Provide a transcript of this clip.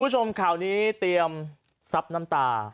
คุณผู้ชมข่าวนี้เตรียมซับน้ำตา